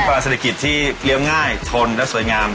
ก็เศรษฐกิจที่เลี้ยวง่ายทนและสวยงาม